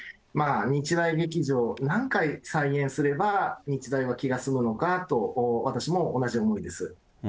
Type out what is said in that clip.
日大劇場、何回再現すれば、日大は気が済むのかと、私も同じ思いです。